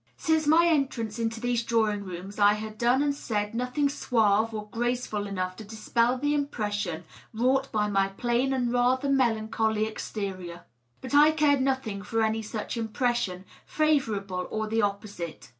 Since my entrance into these drawing rooms I had done and said nothing suave or graceful enough to dispel the impression wrought by my plain and rather melancholy exterior. But I cared nothing for any such impression, favorable or the opposite.